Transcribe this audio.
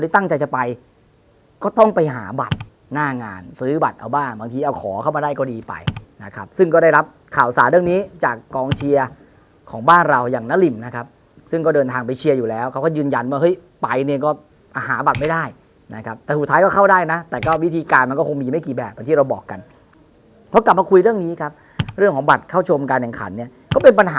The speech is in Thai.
ตั้งใจจะไปก็ต้องไปหาบัตรหน้างานซื้อบัตรเอาบ้านบางทีเอาขอเข้ามาได้ก็ดีไปนะครับซึ่งก็ได้รับข่าวสารเรื่องนี้จากกองเชียร์ของบ้านเราอย่างนริมนะครับซึ่งก็เดินทางไปเชียร์อยู่แล้วเขาก็ยืนยันว่าเฮ้ยไปเนี่ยก็หาบัตรไม่ได้นะครับแต่สุดท้ายก็เข้าได้นะแต่ก็วิธีการมันก็คงมีไม่กี่แบบที่เราบอกกันพอ